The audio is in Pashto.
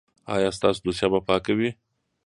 ایا ستاسو دوسیه به پاکه وي؟